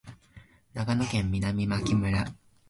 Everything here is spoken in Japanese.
長野県南牧村